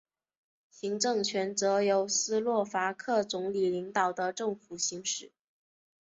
行政权则由斯洛伐克总理领导的政府行使。